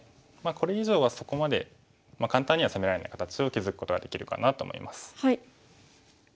これ以上はそこまで簡単には攻められない形を築くことができるかなと思います。